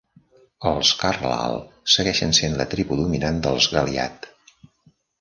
Els karlal segueixen sent la tribu dominant dels galyat.